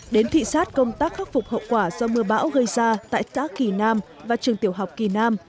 đến thị xát công tác khắc phục hậu quả do mưa bão gây ra tại xã kỳ nam và trường tiểu học kỳ nam